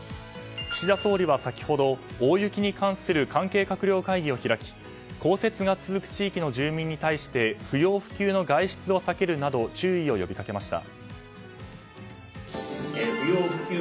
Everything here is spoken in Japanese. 岸田総理は先ほど大雪に関する関係閣僚会議を開き降雪が続く地域の住民に対して不要不急の外出を避けるなど注意を呼びかけました。